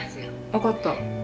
分かった。